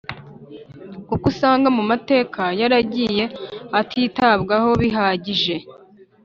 kuko usanga mu mateka yaragiye atitabwaho bihagije.